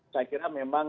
saya kira memang